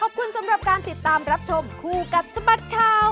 ขอบคุณสำหรับการติดตามรับชมคู่กับสบัดข่าว